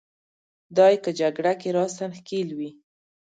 دای که جګړه کې راساً ښکېل وي.